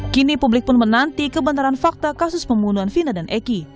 kini publik pun menanti kebenaran fakta kasus pembunuhan vina dan eki